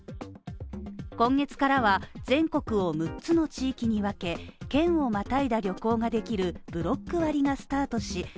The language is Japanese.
今月からは全国を６つの地域に分け県をまたいだ旅行ができるブロック割がスタートし３０